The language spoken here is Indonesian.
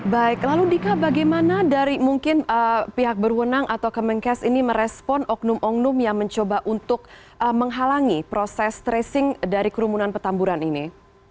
baik lalu dika bagaimana dari mungkin pihak berwenang atau kemenkes ini merespon oknum oknum yang mencoba untuk menghalangi proses tracing dari kerumunan petamburan ini